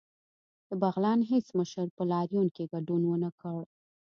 د بغلان هیڅ مشر په لاریون کې ګډون ونکړ